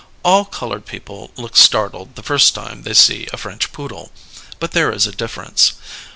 All coloured people look startled the first time they see a French Poodle, but there is a difference.